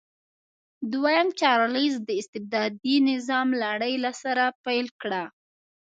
دویم چارلېز د استبدادي نظام لړۍ له سره پیل کړه.